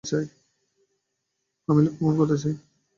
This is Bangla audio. আমি এই লোককে খুন করতে চাই।